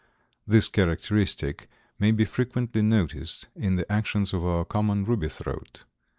This characteristic may be frequently noticed in the actions of our common ruby throat.